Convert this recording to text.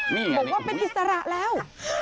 บอกว่าเป็นอิสระแล้ว